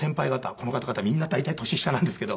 この方々みんな大体年下なんですけど